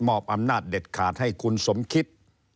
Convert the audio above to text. อำนาจเด็ดขาดให้คุณสมคิด